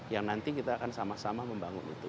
yang nanti kita akan sama sama membangun itu